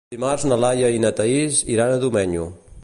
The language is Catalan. Dimarts na Laia i na Thaís iran a Domenyo.